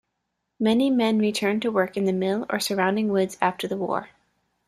Many men returned to work in the mill or surrounding woods after the war.